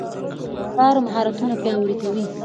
کار مهارتونه پیاوړي کوي.